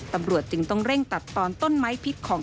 ตำรวจจึงต้องเร่งตัดตอนต้นไม้พิษของ